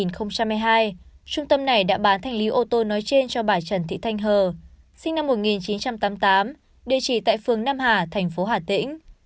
năm hai nghìn hai mươi hai trung tâm này đã bán thanh lý ô tô nói trên cho bà trần thị thanh hờ sinh năm một nghìn chín trăm tám mươi tám địa chỉ tại phường nam hà thành phố hà tĩnh